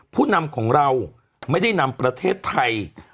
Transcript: ผู้นำของเราไม่ได้นำประเทศไทย